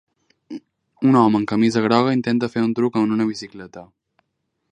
Un home amb camisa groga intenta fer un truc en una bicicleta.